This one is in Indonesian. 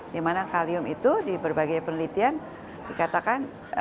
di mana kalium itu di berbagai penelitian dikatakan